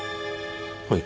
はい。